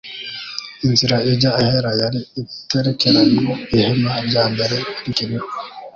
"Inzira ijya ahera yari itarerekanwa ihema rya mbere rikiriho,